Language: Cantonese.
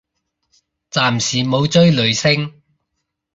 暫時冇追女星